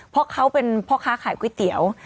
เพราะเขาเป็นพ่อค้าขายก๋วยเตี๋ยว